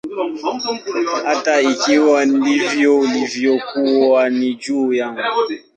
Hata ikiwa ndivyo ilivyokuwa, ni juu yangu.